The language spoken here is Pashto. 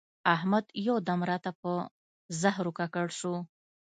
احمد یو دم راته پر زهرو ککړ شو.